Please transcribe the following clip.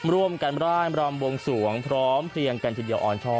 ร่วมกันร่ายรำวงสวงพร้อมเพลียงกันทีเดียวอ่อนช่อ